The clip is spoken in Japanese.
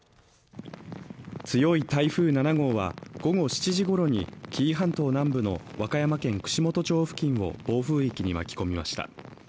強い台風７号は午後７時ごろに紀伊半島南部の和歌山県串本町付近を暴風域に巻き込みました